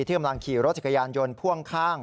กำลังขี่รถจักรยานยนต์พ่วงข้าง